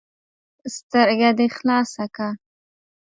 ـ سترګه دې خلاصه که.